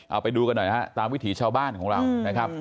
เอาไปดูกันหน่อยตามวิถีชาวบ้านของเรา